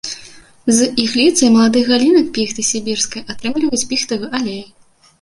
З ігліцы і маладых галінак піхты сібірскай атрымліваюць піхтавы алей.